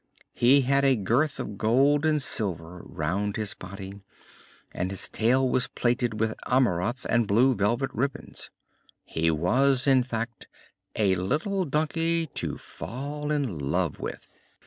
He had a girth of gold and silver round his body, and his tail was plaited with amaranth and blue velvet ribbons. He was, in fact, a little donkey to fall in love with!